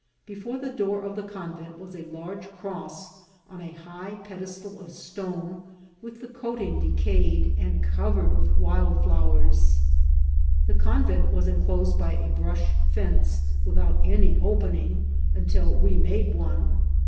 Before SAN ANTONIO DE GtTISTA. 239 the door of the convent was a large cross on a high pedestal of stone, with the coating decayed, and cover ed with wild flowers. The convent was enclosed by a brush fence, without any opening until we made one.